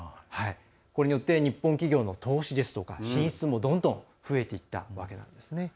これによって日本企業の投資ですとか進出もどんどん増えていったわけなんですね。